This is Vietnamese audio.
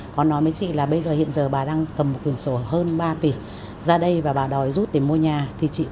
còn nói với chị là bây giờ hiện giờ bà đang cầm cuốn sổ hơn ba tỷ ra đây và bà đòi rút để mua nhà